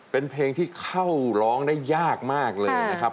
เป็นเพลงที่เข้าร้องได้ยากมากเลยนะครับ